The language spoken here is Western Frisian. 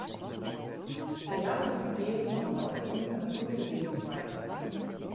Sy hawwe der foar keazen om fan de grûn in natuergebiet te meitsjen.